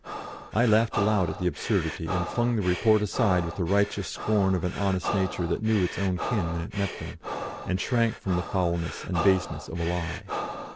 I laughed aloud at the absurdity and flung the Report aside with the righteous scorn of an honest nature that knew its own kin when it met them, and shrank from the foulness and baseness of a lie.